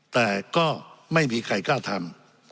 แต่ก็ไม่มีใครกล้าทำ